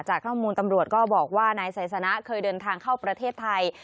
ข้อมูลตำรวจก็บอกว่านายไซสนะเคยเดินทางเข้าประเทศไทย